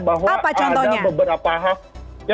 bahwa ada beberapa hal apa contohnya